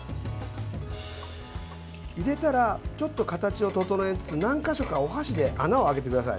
入れたら、ちょっと形を整えつつ何か所かお箸で穴を開けてください。